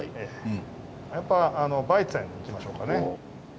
やっぱヴァイツェンいきましょうかね。